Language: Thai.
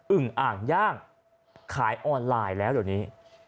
ึงอ่างย่างขายออนไลน์แล้วเดี๋ยวนี้